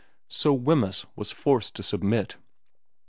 So Wemyss was forced to submit.